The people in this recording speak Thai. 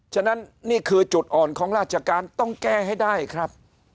ฉะนั้นนี่คือจุดอ่อนของราชการต้องแก้ให้ได้ครับ